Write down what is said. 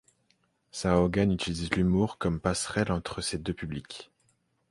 Saint-Ogan utilise l'humour comme passerelle entre ses deux publics.